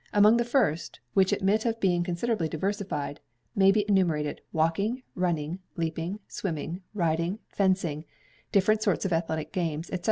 Among the first, which admit of being considerably diversified, may be enumerated walking, running, leaping, swimming, riding, fencing, different sorts of athletic games, &c.